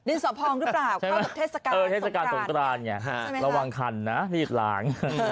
ดินสอบฮ่องหรือเปล่าเทศสการสงกราน